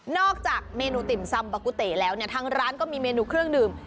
จากเมนูติ่มซำบากุเตแล้วเนี่ยทางร้านก็มีเมนูเครื่องดื่ม